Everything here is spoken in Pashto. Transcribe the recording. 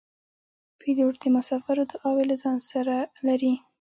پیلوټ د مسافرو دعاوې له ځان سره لري.